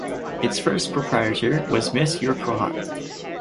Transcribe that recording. Its first proprietor was Mrs Urquhart.